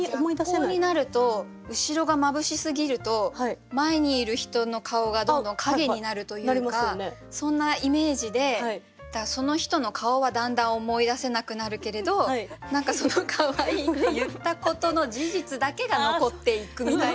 逆光になると後ろがまぶしすぎると前にいる人の顔がどんどんかげになるというかそんなイメージでその人の顔はだんだん思い出せなくなるけれど何かその「可愛い」って言ったことの事実だけが残っていくみたいな。